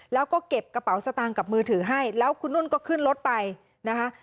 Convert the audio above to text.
แล้วก็เก็บกระเป๋าสตางค์กับมือถือให้แล้วคุณนุ่นก็ขึ้นรถไปนะคะ